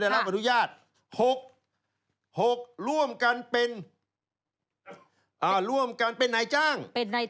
๖ร่วมกันเป็นไหนจ้าง